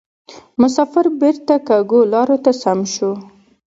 مسافر بیرته کږو لارو ته سم سو